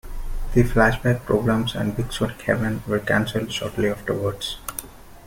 The "Flashback" programs and "Big Sonic Heaven" were cancelled shortly afterward.